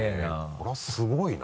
これはすごいな。